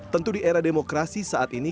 tentu di era demokrasi saat ini